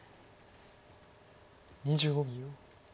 ２５秒。